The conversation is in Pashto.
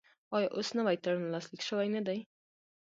آیا اوس نوی تړون لاسلیک شوی نه دی؟